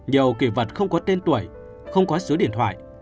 nhiều kỳ vật không có tên tuổi không có số điện thoại